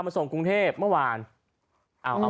เพื่อเล่นตลกหาเงินครับ